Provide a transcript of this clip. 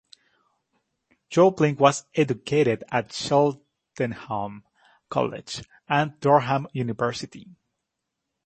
Jopling was educated at Cheltenham College and Durham University.